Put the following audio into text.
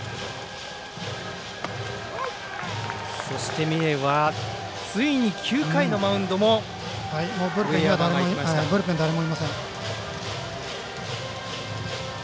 そして、三重はついに、９回のマウンドもブルペン、誰もいません。